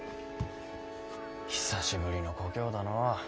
久しぶりの故郷だのう。